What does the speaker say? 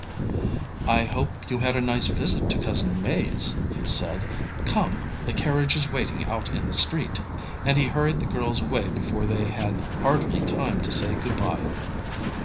"I hope you had a nice visit to Cousin May's," he said. "Come, the carriage is waiting out in the street." And he hurried the girls away before they had hardly time to say good by.